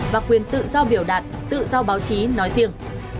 và quyền tự do biểu đạt tự do báo chí nói riêng